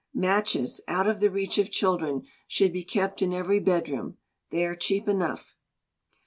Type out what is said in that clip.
Matches, out of the reach of children, should be kept in every bedroom. They are cheap enough.